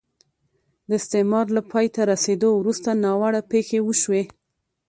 د استعمار له پای ته رسېدو وروسته ناوړه پېښې وشوې.